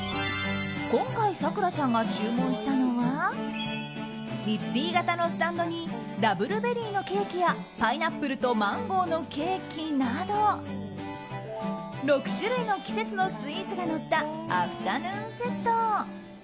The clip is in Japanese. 今回、咲楽ちゃんが注文したのはミッフィー型のスタンドにダブルベリーのケーキやパイナップルとマンゴーのケーキなど６種類の季節のスイーツがのったアフタヌーンセット。